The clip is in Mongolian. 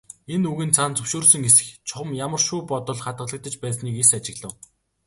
Энэ үгийн цаана зөвшөөрсөн эсэх, чухам ямар шүү бодол хадгалагдаж байсныг эс ажиглав.